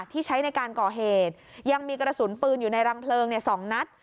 ที่ใช้ในการก่อเหตุยังมีกระสุนปืนอยู่ในรังเพลิง๒นัด